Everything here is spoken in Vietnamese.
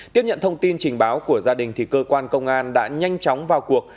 tiếp nhận thông tin trình báo của gia đình thì cơ quan công an đã nhanh chóng vào cuộc